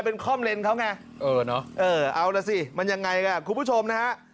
เป็นคล่อมเลนเขาไงเออเนอะเออเอาล่ะสิมันยังไงอ่ะคุณผู้ชมนะฮะ